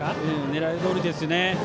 狙いどおりですね。